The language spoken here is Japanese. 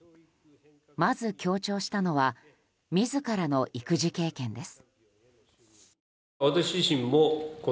まず強調したのは自らの育児経験です。